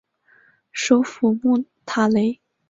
首府穆塔雷。